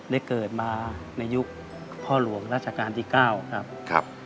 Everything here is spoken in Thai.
ได้เกิดมาในยุคพ่อหลวงราชการที่๙ครับ